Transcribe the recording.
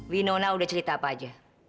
winona udah cerita apa aja